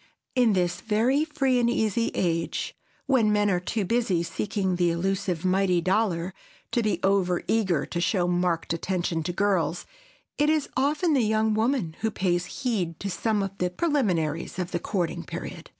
In this very free and easy age, when men are too busy seeking the elusive mighty dollar to be over eager to show marked attention to girls, it is often the young woman who pays heed to some of the preliminaries of the courting period.